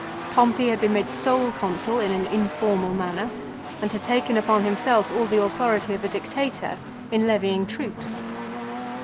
Pompey had been made sole Consul in an informal manner, and had taken upon himself all the authority of a Dictator in levying troops.